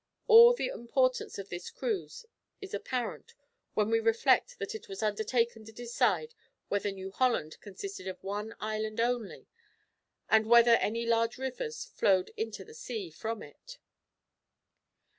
All the importance of this cruise is apparent when we reflect that it was undertaken to decide whether New Holland consisted of one island only, and whether any large rivers flowed into the sea from it.